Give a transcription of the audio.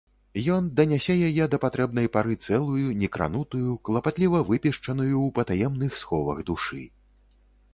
Ён данясе яе да патрэбнай пары цэлую, некранутую, клапатліва выпешчаную ў патаемных сховах душы.